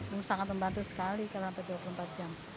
ya sangat membantu sekali kalau ada dua puluh empat jam